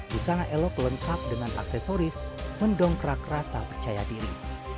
busana elok lengkap dengan aksesoris mendongkrak rasa percaya diri